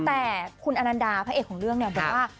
แต่คุณอนันดาพระเอกของเรื่องเนี่ยบอกว่า